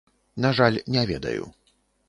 На жаль, не ведаю.